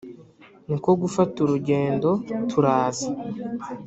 niko gufata urugendo turaza